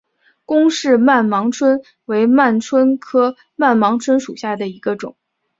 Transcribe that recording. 龚氏曼盲蝽为盲蝽科曼盲蝽属下的一个种。